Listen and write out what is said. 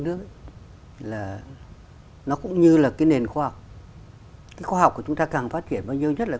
nước là nó cũng như là cái nền khoa học cái khoa học của chúng ta càng phát triển bao nhiêu nhất là